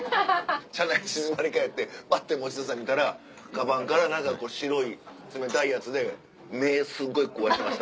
車内静まり返ってぱって持田さん見たらカバンから何か白い冷たいやつで目すごいこうやってました。